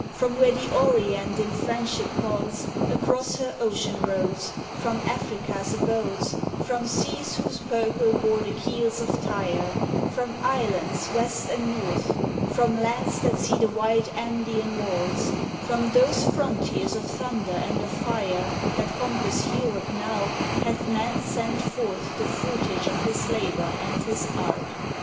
From where the Orient in friendship calls Across her ocean roads, From Africa s abodes, From seas whose purple bore the keels of Tyre, From islands west and north, 88 THE PANAMA PACIFIC EXPOSITION From lands that see the white Andean walls, From those frontiers of thunder and of fire That compass Europe now, hath man sent forth The fruitage of his labor and his art.